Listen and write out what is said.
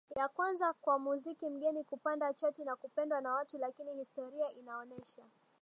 ya kwanza kwa muziki mgeni kupanda chati na kupendwa na watu Lakini historia inaonesha